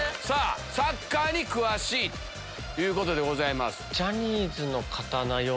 サッカーに詳しいということでございます。